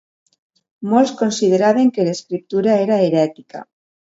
Molts consideraven que l'escriptura era herètica.